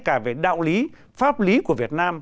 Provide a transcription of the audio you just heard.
cả về đạo lý pháp lý của việt nam